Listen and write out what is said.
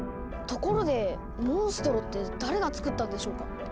ところでモンストロって誰が作ったんでしょうか？